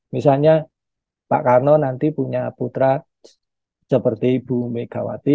misalnya pak karno nanti punya putra seperti ibu megawati